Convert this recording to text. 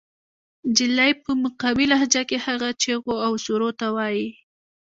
جلۍ پۀ مقامي لهجه کښې هغه چغو او سُورو ته وائي